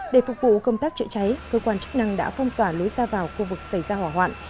để phục vụ công tác chữa cháy cơ quan chức năng đã phong tỏa lối ra vào khu vực xảy ra hỏa hoạn